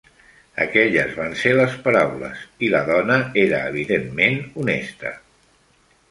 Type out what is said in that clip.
Aquelles van ser les paraules i la dona era evidentment honesta.